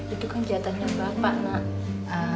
itu kan jatahnya bapak nak